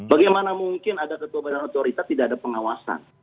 bagaimana mungkin ada ketua badan otorita tidak ada pengawasan